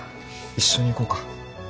一緒に行こうか？